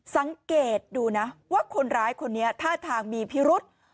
สังเกตดูนะว่าคนร้ายคนนี้ท่าทางมีพิรุษ